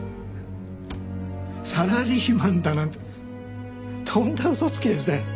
サラリーマンだなんてとんだ嘘つきですね。